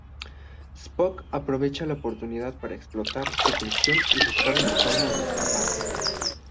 Spock aprovecha la oportunidad para explorar su "prisión" y buscar una forma de escapar.